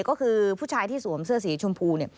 ก็คือผู้ชายที่สวมเสื้อสีชมพูเนี่ย